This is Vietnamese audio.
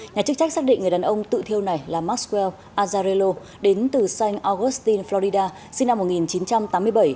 nhà chức trách xác định người đàn ông tự thiêu này là maxwell azzarello đến từ san agustin florida sinh năm một nghìn chín trăm tám mươi bảy